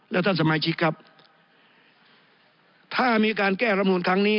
แล้วท่านสมาชิกครับถ้ามีการแก้ระมูลครั้งนี้